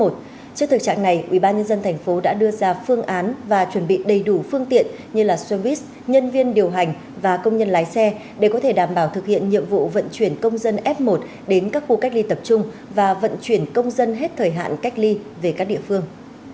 trước thực trạng này ubnd tp đã đưa ra phương án và chuẩn bị đầy đủ phương tiện như xe buýt nhân viên điều hành và công nhân lái xe để có thể đảm bảo thực hiện nhiệm vụ vận chuyển công dân f một đến các khu cách ly tập trung và vận chuyển công dân hết thời hạn cách ly về các địa phương